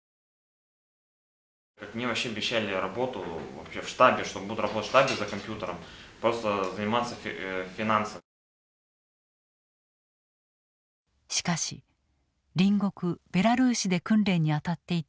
しかし隣国ベラルーシで訓練に当たっていた去年２月２３日